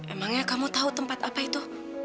emangnya kamu tahu tempat apa itu